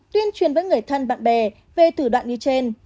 tuyên truyền với người thân bạn bè về thủ đoạn như trên